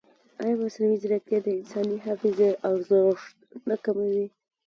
ایا مصنوعي ځیرکتیا د انساني حافظې ارزښت نه کموي؟